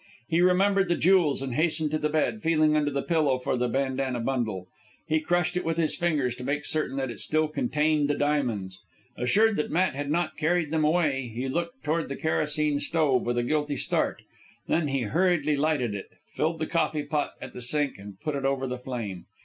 He remembered the jewels, and hastened to the bed, feeling under the pillow for the bandanna bundle. He crushed it with his fingers to make certain that it still contained the diamonds. Assured that Matt had not carried them away, he looked toward the kerosene stove with a guilty start. Then he hurriedly lighted it, filled the coffee pot at the sink, and put it over the flame.